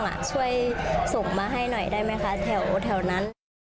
ช่วยส่งมาให้หน่อยได้ไหมคะแถวนั้น